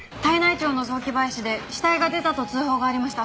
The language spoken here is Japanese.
町の雑木林で死体が出たと通報がありました。